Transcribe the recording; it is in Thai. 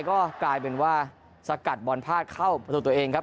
ก็กลายเป็นว่าสกัดบอลพลาดเข้าประตูตัวเองครับ